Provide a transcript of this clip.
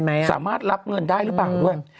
สามารถรับเงินได้หรือเปล่าด้วย